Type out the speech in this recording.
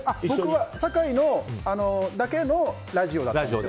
酒井だけのラジオだったんですよ。